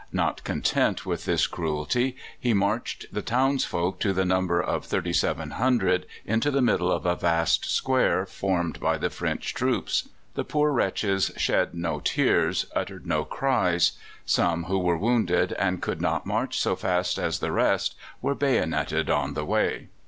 Not content with this cruelty, he marched the townsfolk, to the number of 3,700, into the middle of a vast square, formed by the French troops. The poor wretches shed no tears, uttered no cries. Some who were wounded and could not march so fast as the rest were bayonetted on the way.